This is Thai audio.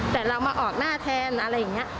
แต่เรามาออกหน้าแทนอะไรอย่างนี้